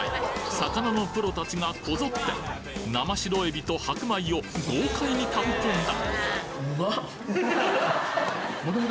魚のプロたちがこぞって生白えびと白米を豪快にかっこんだ！